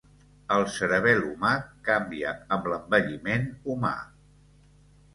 El cerebel humà canvia amb l'envelliment humà.